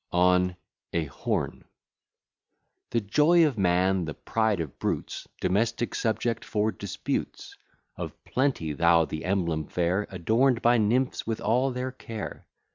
ON A HORN The joy of man, the pride of brutes, Domestic subject for disputes, Of plenty thou the emblem fair, Adorn'd by nymphs with all their care!